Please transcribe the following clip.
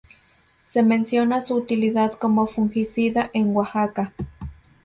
Se menciona su utilidad como fungicida en Oaxaca.